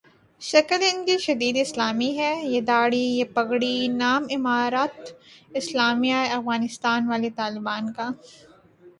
شکل انکی شدید اسلامی ہے ، یہ دھاڑی ، یہ پگڑی ، نام امارت اسلامیہ افغانستان والے طالبان کا ۔